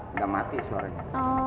tidak mati suaranya